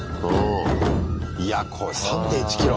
いやこれ３．１ｋｍ。